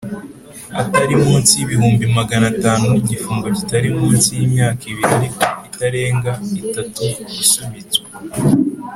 atari munsi y ibihumbi magana atanu n’igifungo kitari munsi y’imyaka ibiri ariko itarenga itatu isubitswe.